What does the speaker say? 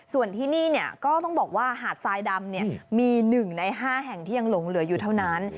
ส่วนที่นี่เนี่ยก็ต้องบอกว่าหาดทรายดำเนี่ยมีหนึ่งในห้าแห่งที่ยังหลงเหลืออยู่เท่านั้น